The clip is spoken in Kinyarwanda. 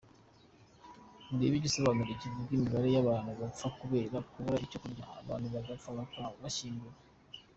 Nureba igisobanuro kivuga imibare y’abantu bapfa kubera kubura icyo kurya, abantu bagapfa bakabashyingura.